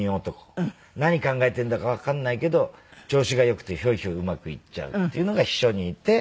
何考えてんだかわかんないけど調子が良くてひょいひょいうまくいっちゃうっていうのが秘書にいて。